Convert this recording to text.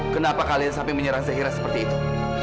kenapa kalian sampai menyerang zairah seperti itu